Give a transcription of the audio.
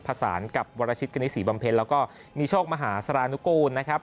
ผสานกับวรชิตกณิตศรีบำเพ็ญแล้วก็มีโชคมหาสารนุกูลนะครับ